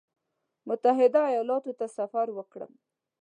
متحده ایالاتو ته سفر وکړم.